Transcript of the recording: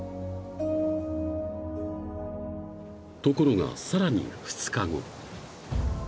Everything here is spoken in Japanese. ［ところがさらに２日後］